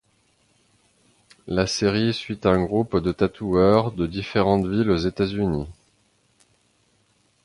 La série suit un groupe de tatoueurs, de différentes villes aux États-Unis.